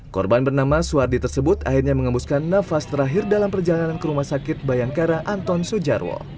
korban bernama suwardi tersebut akhirnya mengembuskan nafas terakhir dalam perjalanan ke rumah sakit bayangkara anton sujarwo